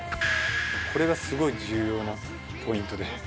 これがすごい重要なポイントで。